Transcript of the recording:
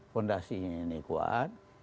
pondasi ini kuat